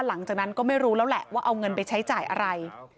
หลังจากนั้นก็ไม่รู้แล้วแหละว่าเอาเงินไปใช้จ่ายอะไร